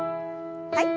はい。